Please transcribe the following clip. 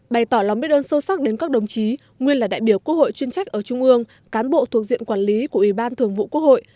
bày tỏ lòng biết ơn sâu sắc đến các đồng chí nguyên là đại biểu quốc hội chuyên trách ở trung ương cán bộ thuộc diện quản lý của ủy ban thường vụ quốc hội